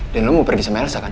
dan lo mau pergi sama elsa kan